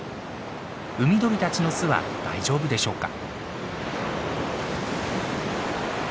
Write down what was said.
海鳥たちの巣は大丈夫でしょうか？